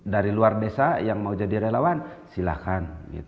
dari luar desa yang mau jadi relawan silahkan